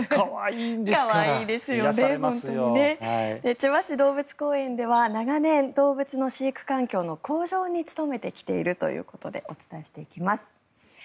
千葉市動物公園では長年動物の飼育環境の向上に努めてきているということでお伝えしていきます。